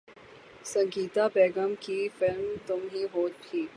سنگیتا بیگم کی فلم ’تم ہی ہو‘ بھی